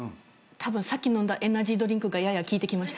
たぶんさっき飲んだエナジードリンクがやや効いてきました。